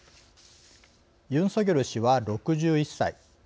ユン・ソギョル氏は６１歳。